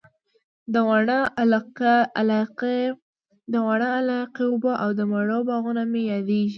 د واڼه علاقې رڼې اوبه او د مڼو باغونه مي ياديږي